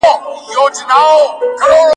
• دوست په تنگسه کي په کارېږي، نه په خورنه.